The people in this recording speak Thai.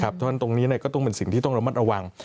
เพราะฉะนั้นตรงนี้ก็ต้องเป็นสิ่งที่ต้องระมัดระวัง